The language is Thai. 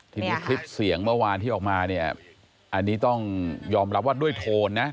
ทีนี้คลิปเสียงเมื่อวานที่ออกมาเนี่ยอันนี้ต้องยอมรับว่าด้วยโทนนะ